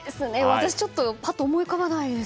私、ちょっとぱっと思い浮かばないです。